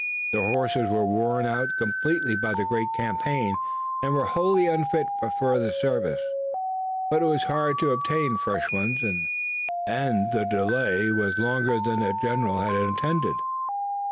Their horses were worn out completely by the great campaign and were wholly unfit for further service. But it was hard to obtain fresh ones and the delay was longer than the general had intended.